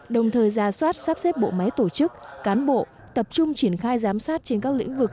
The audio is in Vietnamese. đồng thời ra soát sắp xếp bộ máy tổ chức cán bộ tập trung triển khai giám sát trên các lĩnh vực